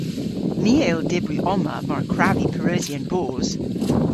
My a yll dybri omma mar kwrav vy pareusi an boos.